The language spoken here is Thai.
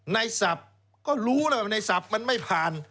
ในสัปก็รู้แหละในสัปมันไม่ผ่าน